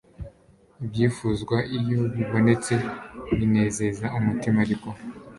ibyifuzwa iyo bibonetse binezeza umutima ariko